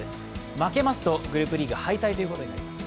負けますとグループリーグ敗退ということになります。